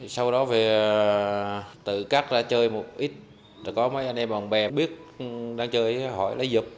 sau đó về tự cắt ra chơi một ít có mấy anh em bạn bè biết đang chơi hỏi lấy dục